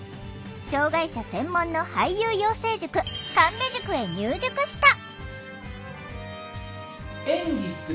障害者専門の俳優養成塾神戸塾へ入塾した。